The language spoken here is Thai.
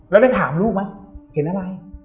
แล้วได้ถามลูกไหมเห็นอะไร